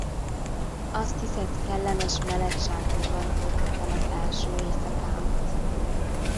Azt hiszed kellemes meleg sátorban töltöttem az első éjszakámat?